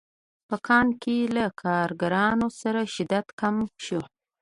په کان کې له کارګرانو سره شدت کم شو